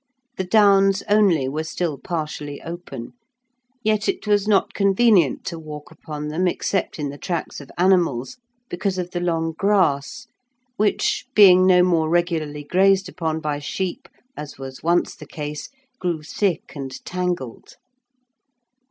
The downs only were still partially open, yet it was not convenient to walk upon them except in the tracks of animals, because of the long grass which, being no more regularly grazed upon by sheep, as was once the case, grew thick and tangled.